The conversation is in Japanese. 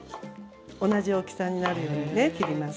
同じ大きさになるようにね切ります。